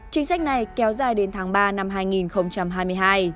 chính sách này kéo dài đến tháng ba năm hai nghìn hai mươi hai